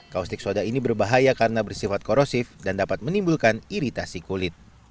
kaustik soda ini berbahaya karena bersifat korosif dan dapat menimbulkan iritasi kulit